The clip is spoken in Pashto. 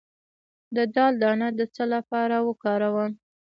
د دال دانه د څه لپاره وکاروم؟